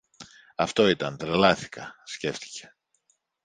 Αυτό ήταν, τρελάθηκα, σκέφτηκε